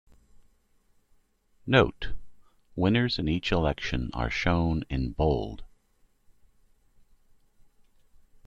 "Note: Winners in each election are shown in" bold.